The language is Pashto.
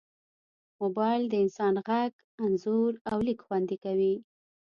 موبایل د انسان غږ، انځور، او لیک خوندي کوي.